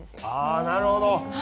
ああなるほど。